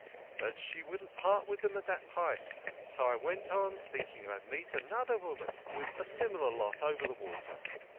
But she wouldn't part with them at that price, so I went on, think ing I'd meet another woman with a similar lot over the water.